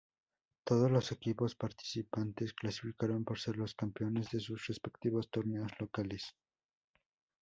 Todos los equipos participantes clasificaron por ser los campeones de sus respectivos torneos locales.